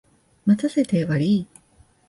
待たせてわりい。